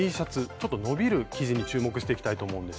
ちょっと伸びる生地に注目していきたいと思うんです。